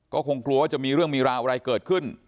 ก็คงกลัวว่าจะมีเรื่องมีราวอะไรเกิดขึ้น